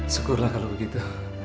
syukurlah kalau begitu